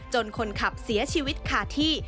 คนขับเสียชีวิตขาดที่